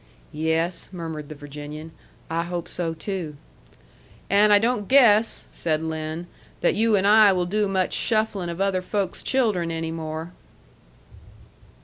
"Yes," murmured the Virginian, "I hope so too." "And I don't guess," said Lin, "that you and I will do much shufflin' of other folks' children any more."